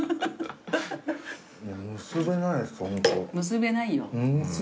結べない。